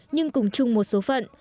nhưng cùng chung một số phận